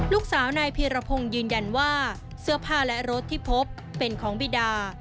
ลูกสาวนายพีรพงศ์ยืนยันว่าเสื้อผ้าและรถที่พบเป็นของบิดา